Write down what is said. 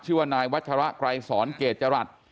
ชื่อว่านายวัชระไกรสอนเกจจรัส